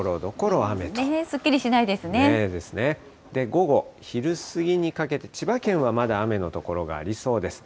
午後、昼過ぎにかけて、千葉県はまだ雨の所がありそうです。